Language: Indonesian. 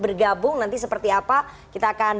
bergabung nanti seperti apa kita akan